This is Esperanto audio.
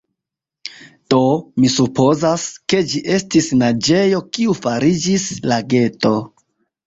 Do, mi supozas, ke ĝi estis naĝejo kiu fariĝis lageto.